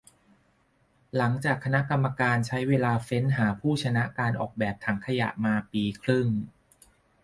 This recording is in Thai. หลังจากคณะกรรมการใช้เวลาเฟ้นหาผู้ชนะการออกแบบถังขยะมาปีครึ่ง